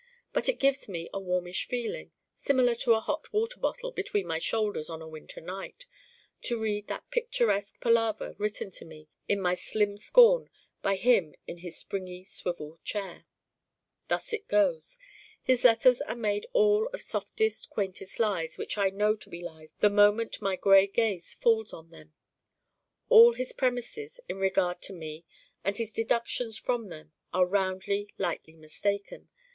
But it gives me a warmish feeling, similar to a hot water bottle between my shoulders on a winter night, to read that picturesque palaver written to me in my slim scorn by him in his springy swivel chair. Thus it goes. His letters are made all of softest quaintest lies which I know to be lies the moment my gray gaze falls on them. All his premises in regard to me and his deductions from them are roundly lightly mistaken.